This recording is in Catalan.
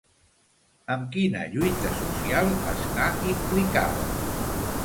Amb quina lluita social està implicada?